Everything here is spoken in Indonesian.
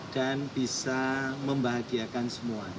dan bisa membahagiakan semuanya